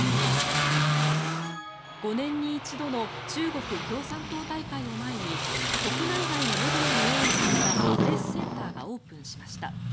５年に一度の中国共産党大会を前に国内外のメディアに用意されたプレスセンターがオープンしました。